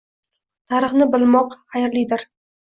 Tarixni bilmoq xayrlidirng